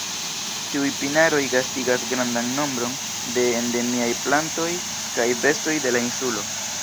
Tiuj pinaroj gastigas grandan nombron de endemiaj plantoj kaj bestoj de la insulo.